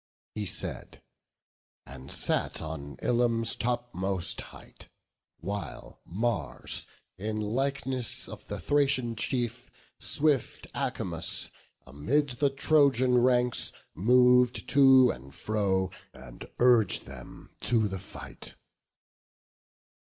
He said, and sat on Ilium's topmost height: While Mars, in likeness of the Thracian chief, Swift Acamas, amid the Trojan ranks Mov'd to and fro, and urg'd them to the fight.